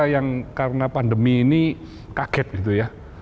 yang karena pandemi ini kaget gitu ya